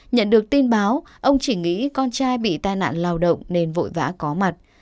nhận được tin báo ông chỉ nghĩ con trai bị tai nạn lao động nên vội vã có mặt